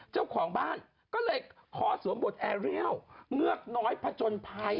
เจ้าของบ้านก็เลยขอสวมบทแอร์เรียลเงือกน้อยผจญภัย